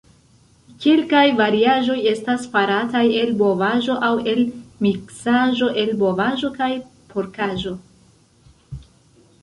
Kelkaj variaĵoj estas farataj el bovaĵo aŭ el miksaĵo el bovaĵo kaj porkaĵo.